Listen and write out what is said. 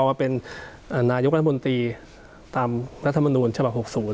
ก็เป็นนายุคน้ำบุญตีตามรัฐบุญชม๖๐